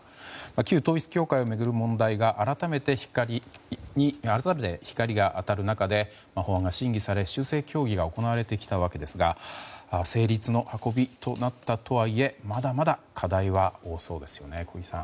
旧統一教会を巡る問題に改めて光が当たる中で法案が審議され、修正協議が行われてきたわけですが成立の運びとなったとはいえまだまだ課題は多そうですね。